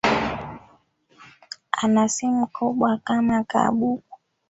Ana simu kubwa kama/ka buku